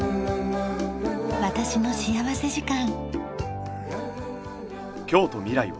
『私の幸福時間』。